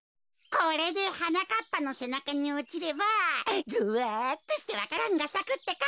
これではなかっぱのせなかにおちればゾワっとしてわか蘭がさくってか。